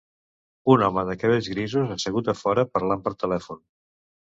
Un home de cabells grisos assegut a fora parlant per telèfon.